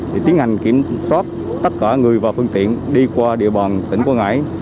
thì tiến hành kiểm soát tất cả người và phương tiện đi qua địa bàn tỉnh quảng ngãi